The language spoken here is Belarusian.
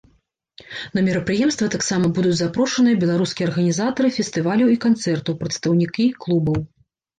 На мерапрыемства таксама будуць запрошаныя беларускія арганізатары фестываляў і канцэртаў, прадстаўнікі клубаў.